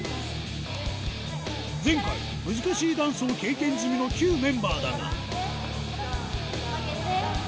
前回、難しいダンスを経験済みの旧メンバーだが。